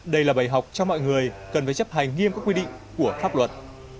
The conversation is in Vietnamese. đây là bài học cho mọi người cần phải chấp hành nghiêm các quy định của pháp luật